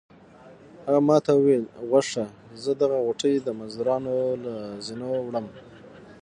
هغه ما ته وویل غوږ شه زه دغه غوټې د مزدورانو له زینو وړم.